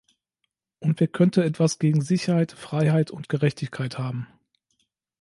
Und wer könnte etwas gegen Sicherheit, Freiheit und Gerechtigkeit haben?